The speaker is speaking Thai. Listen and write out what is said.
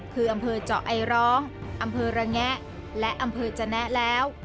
คืออำเภอเจาะไอร้องอำเภอระแงะและอำเภอจนะแล้ว